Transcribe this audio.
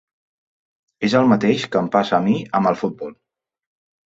És el mateix que em passa a mi amb el futbol.